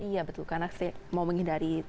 iya betul karena saya mau menghindari tiga in satu